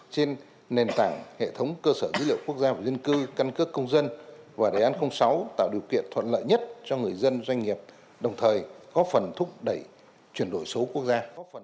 trên nền tảng hệ thống cơ sở dữ liệu quốc gia về dân cư căn cước công dân và đề án sáu tạo điều kiện thuận lợi nhất cho người dân doanh nghiệp đồng thời có phần thúc đẩy chuyển đổi số quốc gia